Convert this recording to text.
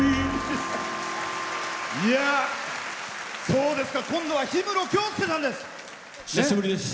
そうですか、今度は氷室京介さんです。